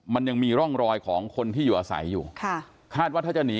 มันยังมีร่องรอยของคนที่อยู่อาศัยอยู่ค่ะคาดว่าถ้าจะหนี